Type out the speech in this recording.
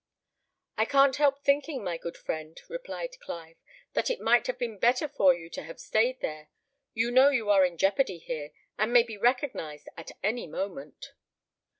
"I can't help thinking, my good friend," replied Clive, "that it might have been better for you to have stayed there. You know you are in jeopardy here, and may be recognised at any moment."